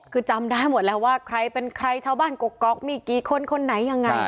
คือจำได้หมดแล้วว่าใครเป็นใครชาวบ้านกกอกมีกี่คนคนไหนยังไง